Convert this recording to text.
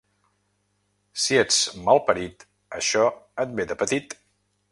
Si ets mal parit, això et ve de petit.